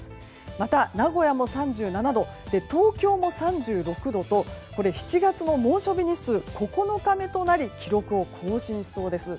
また名古屋も３７度東京も３６度と７月の猛暑日日数９日目となり記録を更新しそうです。